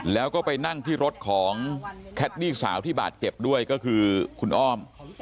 แล้วก็ไปนั่งที่รถของแคดดี้สาวที่บาดเจ็บด้วยก็คือคุณอ้อม